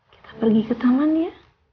kita pergi ke taman ya